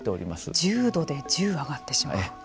１０度で１０上がってしまう。